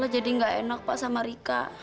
lo jadi nggak enak pak sama rika